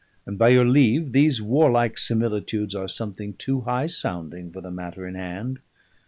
"And by your leave, these warlike similitudes are something too high sounding for the matter in hand.